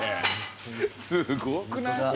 すごくない？